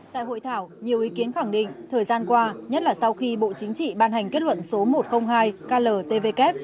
tại hội thảo nhiều ý kiến khẳng định thời gian qua nhất là sau khi bộ chính trị ban hành kết luận số một trăm linh hai kltvk